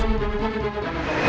aku mau ke rumah